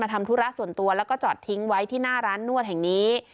ทำธุระส่วนตัวแล้วก็จอดทิ้งไว้ที่หน้าร้านนวดแห่งนี้